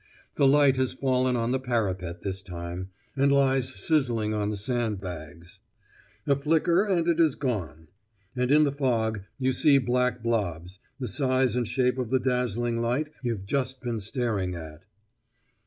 The light has fallen on the parapet this time, and lies sizzling on the sand bags. A flicker, and it is gone; and in the fog you see black blobs, the size and shape of the dazzling light you've just been staring at.